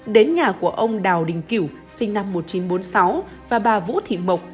đến nhà của ông đào đình kiểu sinh năm một nghìn chín trăm bốn mươi sáu và bà vũ thị mộc